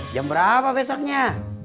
jam berapa besoknya